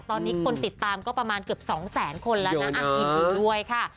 ตอนนี้คนติดตามก็ประมาณเกือบ๒แสนคนแล้วนะยินดีด้วยค่ะ